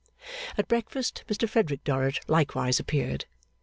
At breakfast, Mr Frederick Dorrit likewise appeared.